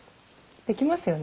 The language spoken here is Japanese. できますよね？